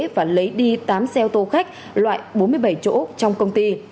và lấy đi tám xe ô tô khách loại bốn mươi bảy chỗ trong công ty